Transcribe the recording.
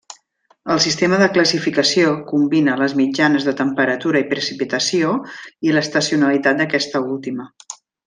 El sistema de classificació combina les mitjanes de temperatura i precipitació i l'estacionalitat d'aquesta última.